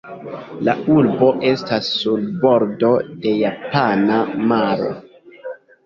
La urbo estas sur bordo de Japana maro.